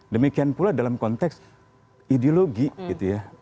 demikian pula dalam konteks ideologi gitu ya